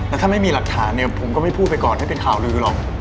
แต่ถ้าไม่มีหลักฐานเนี่ยผมก็ไม่พูดไปก่อนให้เป็นข่าวลือหรอก